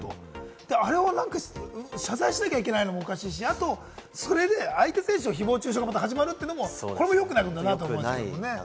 あれを謝罪しなきゃいけないのもおかしいし、あとそれで相手選手の誹謗中傷が始まるというのもよくないことだなと思いますけれどもね。